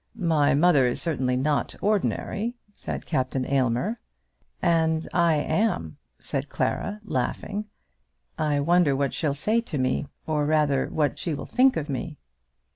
"My mother is certainly not ordinary," said Captain Aylmer. "And I am," said Clara, laughing. "I wonder what she'll say to me, or, rather, what she will think of me."